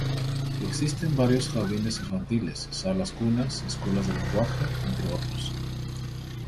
Existen varios jardines infantiles, salas cunas, escuelas de lenguaje, entre otros.